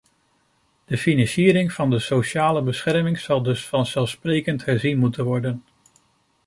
De financiering van de sociale bescherming zal dus vanzelfsprekend herzien moeten worden.